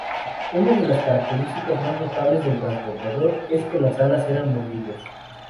Una de las características más notables del transbordador es que las alas eran movibles.